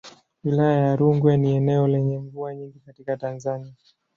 Wilaya ya Rungwe ni eneo lenye mvua nyingi katika Tanzania.